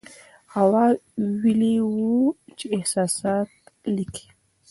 هوا ویلي وو چې احساسات لیکي.